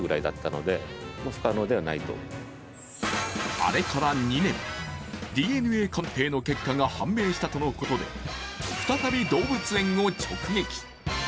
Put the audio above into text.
あれから２年、ＤＮＡ鑑定の結果が判明したとのことで、再び動物園を直撃。